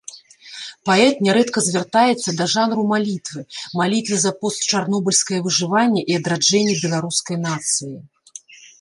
Паэт нярэдка звяртаецца да жанру малітвы, малітвы за постчарнобыльскае выжыванне і адраджэнне беларускай нацыі.